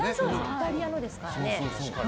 イタリアのですからね。